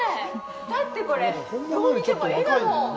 だってこれ、どう見ても絵だもん！